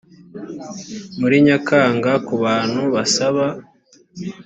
muri nyakanga ku bantu basaba